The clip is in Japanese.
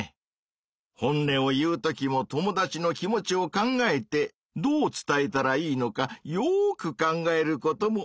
本音を言うときも友達の気持ちを考えてどう伝えたらいいのかよく考えることもたいせつかもね。